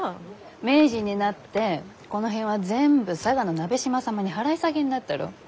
明治になってこの辺は全部佐賀の鍋島様に払い下げになったろう？